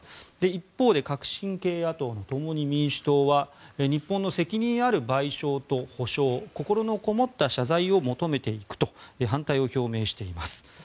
一方で革新系野党の共に民主党は日本の責任ある賠償と補償心のこもった謝罪を求めていくと反対を表明しています。